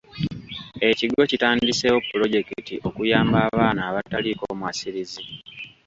Ekigo kitandiseewo pulojekiti okuyamba abaana abataliiko mwasirizi.